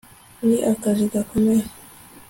ni akazi gakomeye